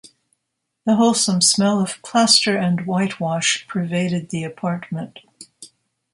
The wholesome smell of plaster and whitewash pervaded the apartment.